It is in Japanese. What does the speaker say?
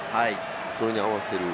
それに合わせる。